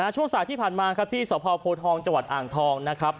ช่วงสายที่ผ่านมาครับที่สพโพทองจังหวัดอ่างทองนะครับ